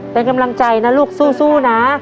เป็นกำลังใจนะลูกสู้นะ